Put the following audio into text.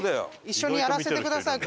一緒にやらせてください。